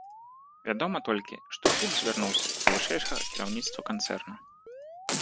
Вядома толькі, што клуб звярнуўся да вышэйшага кіраўніцтва канцэрна.